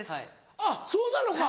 あっそうなのか。